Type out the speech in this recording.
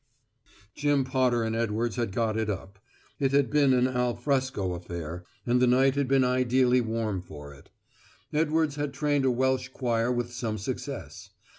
Jim Potter and Edwards had got it up; it had been an al fresco affair, and the night had been ideally warm for it. Edwards had trained a Welsh choir with some success.